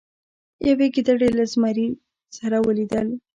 یوې ګیدړې له زمري سره ولیدل.